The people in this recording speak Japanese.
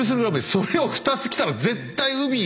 それを２つ着たら絶対海